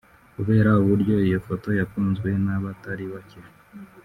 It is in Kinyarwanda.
Kubera uburyo iyo foto yakunzwe n’abatari bake